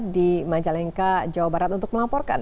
di majalengka jawa barat untuk melaporkan